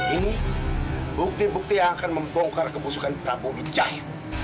ini bukti bukti yang akan membongkar kebusukan prabu wijaya